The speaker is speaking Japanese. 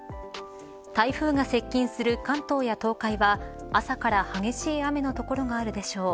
台風が接近する関東や東海は朝から激しい雨の所があるでしょう。